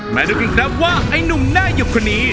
มาดูกันครับว่าไอ้หนุ่มหน้าหยกคนนี้